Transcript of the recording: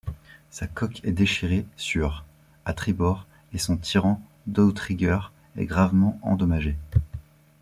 Sa coque est déchirée sur à tribord et son tirant d'outrigger est gravement endommagé.